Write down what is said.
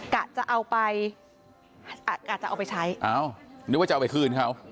กะจะเอาไปอาจจะเอาไปใช้อ้าวนึกว่าจะเอาไปคืนเขา